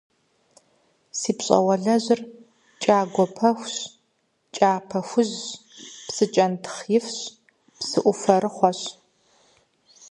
Си пщӏэгъуалэжьыр кӏагуэ пэхущ, кӏапэ хужьщ, псы кӏэнтхъ ифщ, псыӏуфэрыхъуэщ.